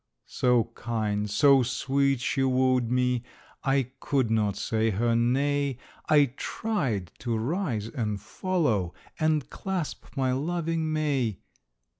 So kind, so sweet she wooed me, I could not say her nay; I tried to rise and follow, And clasp my loving may.